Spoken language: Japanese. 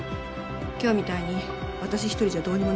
今日みたいに私一人じゃどうにもならない時もあるし。